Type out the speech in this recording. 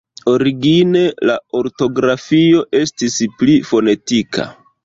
Origine, la ortografio estis pli fonetika.